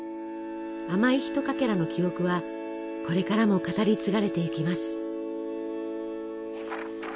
甘いひとかけらの記憶はこれからも語り継がれていきます。